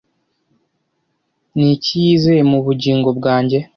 ni iki yizeye mu bugingo bwanjye